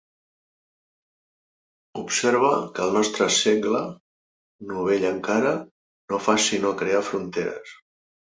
Observe que el nostre segle, novell encara, no fa sinó crear fronteres.